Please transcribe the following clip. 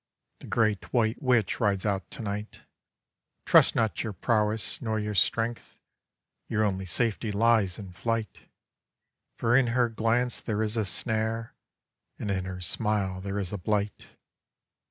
The great white witch rides out to night, Trust not your prowess nor your strength; Your only safety lies in flight; For in her glance there is a snare, And in her smile there is a blight.